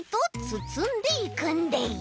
つつんでいくんでい！